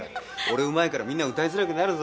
俺うまいからみんな歌いづらくなるぞ。